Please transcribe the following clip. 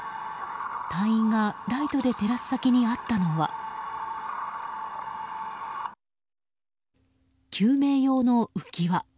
隊員がライトで照らす先にあったのは救命用の浮き輪。